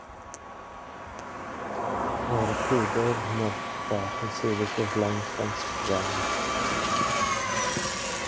Mae pedair merch fach yn sefyll o flaen ffens bren.